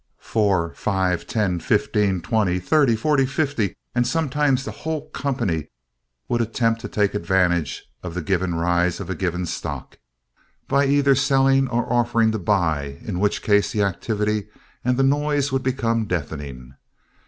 Four, five, ten, fifteen, twenty, thirty, forty, fifty, and sometimes the whole company would attempt to take advantage of the given rise of a given stock by either selling or offering to buy, in which case the activity and the noise would become deafening.